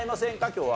今日は。